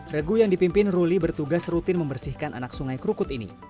regu yang dipimpin ruli bertugas rutin membersihkan anak sungai krukut ini